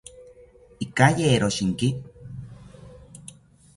Ikayero shinki